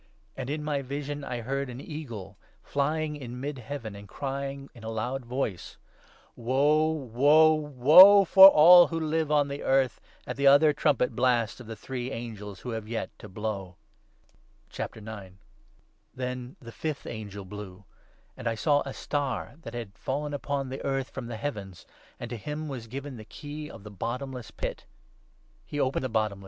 And, in my vision, I heard an eagle flying in mid heaven 13 and crying in a loud voice —' Woe, woe, woe for all who live on the earth, at the other trumpet blasts of the three angels who have yet to blow.' Then the fifth angel blew ; and I saw a Star that had fallen i upon the earth from the heavens, and to him was given the key of the bottomless pit. He opened the bottomless pit, and 2 ' Anton p.